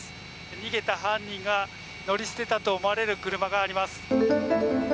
逃げた犯人が乗り捨てたと思われる車があります。